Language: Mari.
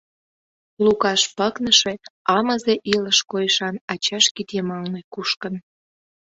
Лукаш пыкныше, амызе илыш койышан ачаж кид йымалне кушкын.